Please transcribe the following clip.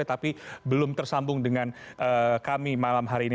tapi belum tersambung dengan kami malam hari ini